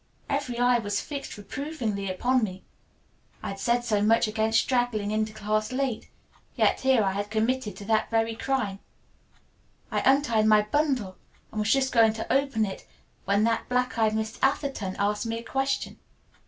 Every eye was fixed reprovingly upon me. I had said so much against straggling into class late, yet here I had committed that very crime. I untied my bundle and was just going to open it when that black eyed Miss Atherton asked me a question.